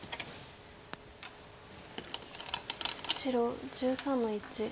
白１３の一。